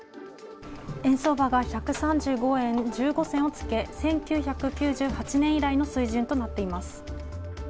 円相場が１３５円１５銭をつけ１９９８年以来の水準となっています。